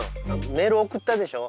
メール送ったでしょ？